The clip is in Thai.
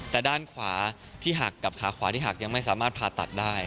แต่ด้านขวาที่หักกับขาขวาที่หักยังไม่สามารถผ่าตัดได้